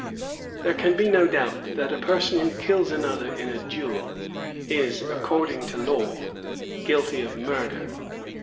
There can be no doubt that a person who kills another in a duel is, according to law, guilty of murder.